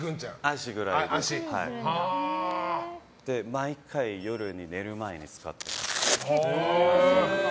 毎回、夜に寝る前に使って。